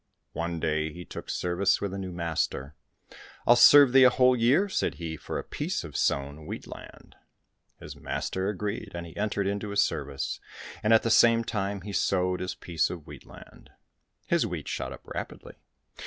One day he took service with a new master. " I'll serve thee a whole year," said he, " for a piece of sown wheat land." His master agreed, and he entered into his service, and at the same time he sowed his piece of wheat land. His wheat shot up rapidly.